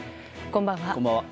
こんばんは。